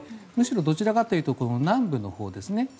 むしろどちらかというと南部のほうですね。